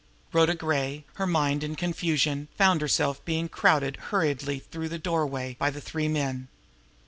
Rhoda Gray, her mind in confusion, found herself being crowded hurriedly through the doorway by the three men.